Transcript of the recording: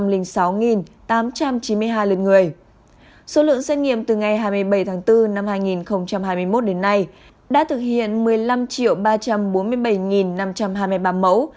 số lượng xét nghiệm từ ngày hai mươi bảy tháng bốn năm hai nghìn hai mươi một đến nay đã thực hiện một mươi năm ba trăm bốn mươi bảy năm trăm hai mươi ba mẫu